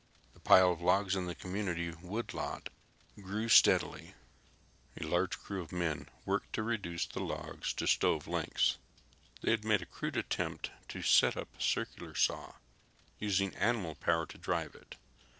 The pile of logs in the community woodlot grew steadily. A large crew of men worked to reduce the logs to stove lengths. They had made a crude attempt to set up a circular saw, using animal power to drive it.